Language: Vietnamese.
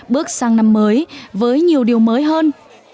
bước sang năm mới với nhiều điều mới hơn